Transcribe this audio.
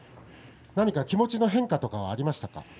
何か気持ちの変化とかはありましたか。